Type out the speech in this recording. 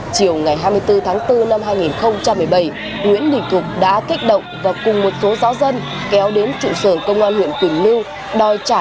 chiều ngày hai mươi bốn tháng bốn năm hai nghìn một mươi bảy nguyễn đình thục đã kích động và cùng một số giáo dân kéo đến trụ sở công an huyện pháp mô sa